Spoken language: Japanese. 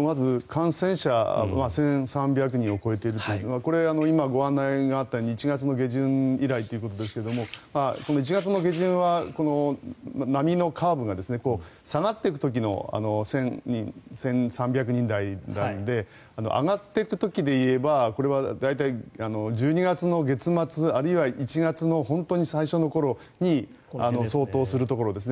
まず、感染者１３００人を超えているというこれ、今ご案内があったように１月の下旬以来ということですけどもこの１月下旬は波のカーブが下がっていく時の１３００人台なので上がっていく時でいえばこれは大体、１２月の月末あるいは１月の本当に最初の時に相当するところですね。